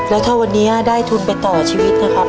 แล้วถ้าวันนี้ได้ทุนไปต่อชีวิตนะครับ